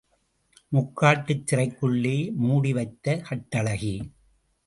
முக்காட்டுச் சிறைக்குள்ளே மூடி வைத்த கட்டழகி!